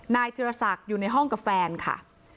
ธิรศักดิ์อยู่ในห้องกับแฟนค่ะ